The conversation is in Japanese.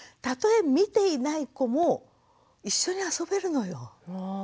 たとえ見ていない子も一緒に遊べるのよ。